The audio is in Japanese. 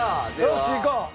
よしいこう！